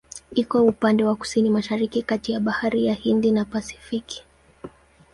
Iko upande wa Kusini-Mashariki kati ya Bahari ya Uhindi na Pasifiki.